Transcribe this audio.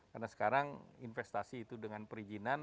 karena sekarang investasi itu dengan perizinan